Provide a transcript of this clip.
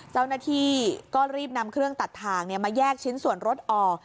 เจ้าหน้าที่ก็รีบนำเครื่องตัดทางมาแยกชิ้นส่วนรถออก